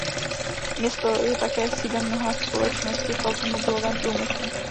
Město je také sídlem mnoha společnosti v automobilovém průmyslu.